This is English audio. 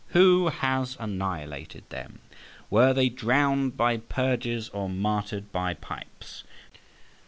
Who has annihilated them? Were they drowned by purges or martyred by pipes?